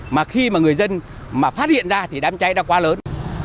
mà khi mà người dân mà phát hiện ra thì đám cháy đã quá lớn